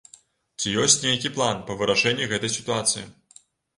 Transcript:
Ці ёсць нейкі план па вырашэнні гэтай сітуацыі?